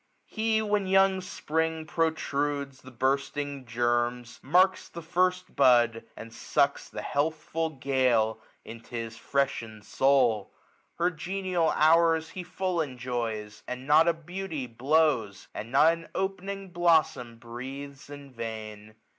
He, when young Spring protrudes the bursting gennes, Marks the first bud, and sucks the healthful gale 13 10 Into his freshened soul ; her genial hours He full enjoys ; and not a beauty blows, And not an opening blossom breathes in vain.